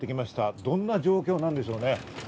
どんな状況なんでしょうね。